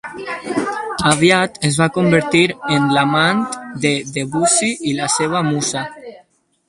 Aviat es va convertir en l'amant de Debussy i la seva musa.